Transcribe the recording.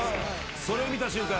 それを見た瞬間